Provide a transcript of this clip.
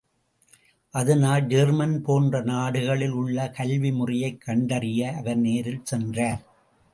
அதனால், ஜெர்மன் போன்ற நாடுகளில் உள்ள கல்வி முறையைக் கண்டறிய அவர் நேரில் சென்றார்.